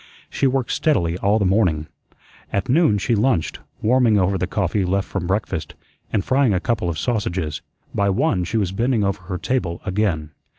She worked steadily all the morning. At noon she lunched, warming over the coffee left from breakfast, and frying a couple of sausages. By one she was bending over her table again.